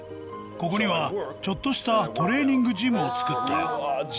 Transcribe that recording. ここにはちょっとしたトレーニングジムを作ってある。